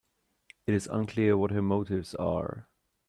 It is unclear what her motives are.